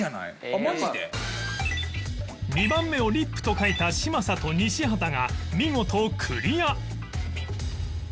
２番目をリップと書いた嶋佐と西畑が見事クリア